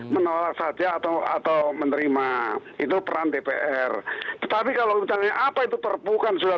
menolak saja atau atau menerima itu peran dpr tetapi kalau misalnya apa itu perpu kan sudah